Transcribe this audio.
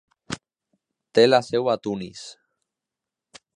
Té la seu a Tunis.